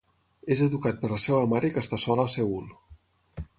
És educat per la seva mare que està sola a Seül.